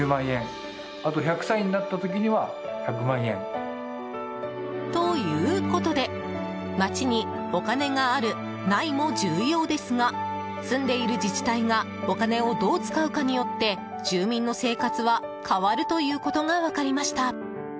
そして。ということで、まちにお金がある、ないも重要ですが住んでいる自治体がお金をどう使うかによって住民の生活は変わるということが分かりました。